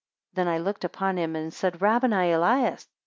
22 Then I looked upon him, and said, Rabboni Elias!